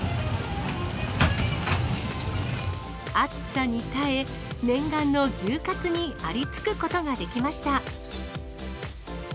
暑さに耐え、念願の牛かつにありつくことができました。